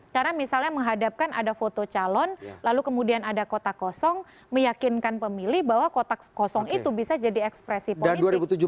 karena misalnya menghadapkan ada foto calon lalu kemudian ada kotak kosong meyakinkan pemilih bahwa kotak kosong itu bisa jadi ekspresi politik